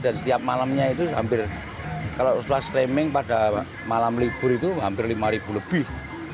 dan setiap malamnya itu hampir kalau setelah streaming pada malam libur itu hampir lima ribu lebih